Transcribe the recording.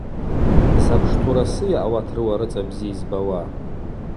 Запштурасыйа ауат рыуа рыцӏа бзи йызбауа?